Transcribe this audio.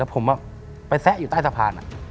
แล้วผมไปแทะอยู่ใต้สะพานอะ